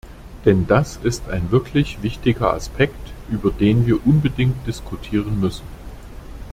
Denn das ist ein wirklich wichtiger Aspekt, über den wir unbedingt diskutieren müssen.